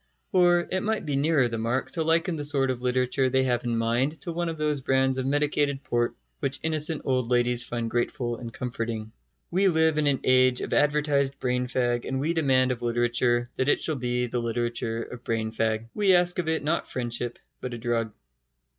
Or it might be nearer the mark to liken the sort of literature they have in mind to one of those brands of medicated port which innocent old ladies find grateful and comforting. We live in an age of advertised brain fag, and we demand of literature that it shall be the literature of brain fag. We ask of it not friendship, but a drug.